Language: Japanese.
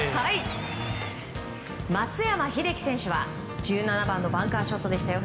松山英樹選手は１７番のバンカーショットでしたよ